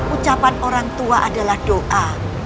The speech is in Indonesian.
ucapan orang tua adalah doa